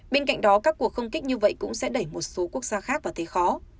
bên cạnh đó các cuộc không kích như vậy cũng sẽ đẩy một số quốc gia khác vào thế khó